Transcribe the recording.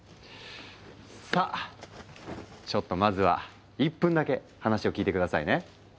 さあちょっとまずは１分だけ話を聞いて下さいね！